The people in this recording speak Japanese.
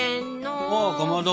あかまど。